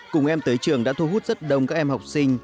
cùng em tới trường đã thu hút rất đông các em học sinh